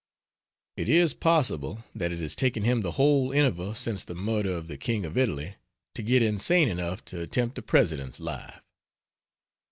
It is possible that it has taken him the whole interval since the murder of the King of Italy to get insane enough to attempt the President's life.